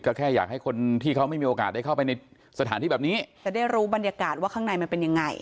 ก็แค่อยากให้คนที่เขาไม่มีโอกาสได้เข้าไปในสถานที่แบบนี้จะได้รู้บรรยากาศว่าข้างในมันเป็นยังไง